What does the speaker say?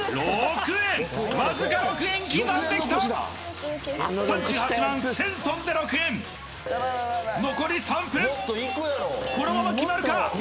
６円わずか６円刻んできた３８万１０００とんで６円残り３分このまま決まるか？